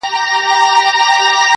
پیدا کړي خدای له اصله ظالمان یو-